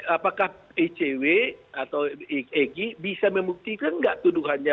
apakah ecw atau eg bisa membuktikan enggak tuduhannya